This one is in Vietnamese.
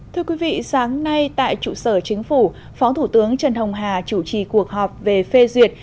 thưa quý vị sáng nay tại trụ sở chính phủ phó thủ tướng trần hồng hà chủ trì cuộc họp về phê duyệt